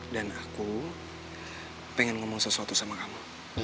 dan aku pengen ngomong sesuatu sama kamu